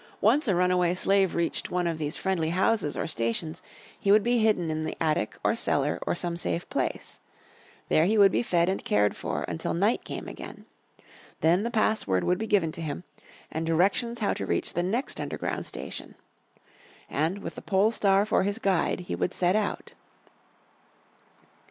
Once a runaway slave reached one of these friendly houses or stations he would be hidden in the attic or cellar or some safe place. There he would be fed and cared for until night came again. Then the password would be given to him, and directions how to reach the next underground station. And, with the pole star for his guide, he would set out.